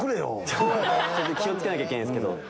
気を付けなきゃいけないんすけど。